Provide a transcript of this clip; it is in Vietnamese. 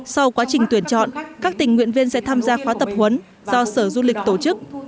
sau quá trình tuyển chọn các tình nguyện viên sẽ tham gia khóa tập huấn do sở du lịch tổ chức